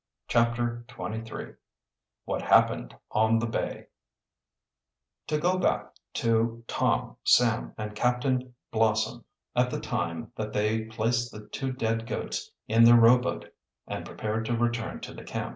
CHAPTER XXIII WHAT HAPPENED ON THE BAY To go back to Tom, Sam, and Captain Blossom at the time that they placed the two dead goats in their rowboat and prepared to return to the camp.